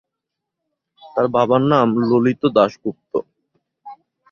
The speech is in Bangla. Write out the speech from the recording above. তার বাবার নাম ললিত দাশগুপ্ত।